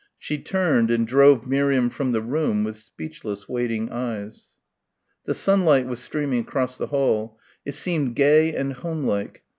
She turned and drove Miriam from the room with speechless waiting eyes. The sunlight was streaming across the hall. It seemed gay and home like.